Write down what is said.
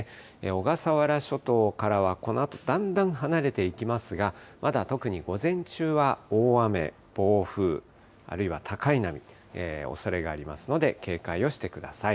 小笠原諸島からは、このあとだんだん離れていきますが、まだ特に午前中は大雨、暴風、あるいは高い波、おそれがありますので警戒をしてください。